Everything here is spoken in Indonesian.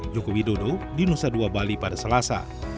joko widodo di nusa dua bali pada selasa